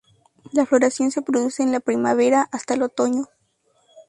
La floración se produce en el primavera hasta el otoño.